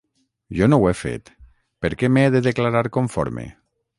Jo no ho he fet, per què m’he de declarar conforme?